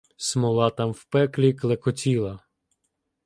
Смола там в пеклі клекотіла